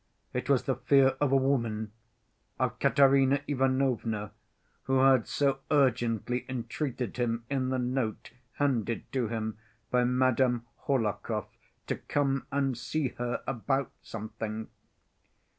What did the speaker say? It was the fear of a woman, of Katerina Ivanovna, who had so urgently entreated him in the note handed to him by Madame Hohlakov to come and see her about something.